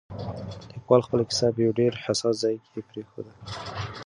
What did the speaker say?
لیکوال خپله کیسه په یو ډېر حساس ځای کې پرېښوده.